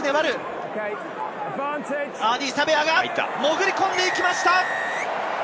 アーディー・サヴェアが潜り込んでいきました！